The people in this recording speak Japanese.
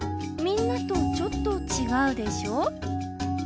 みんなとちょっと違うでしょ？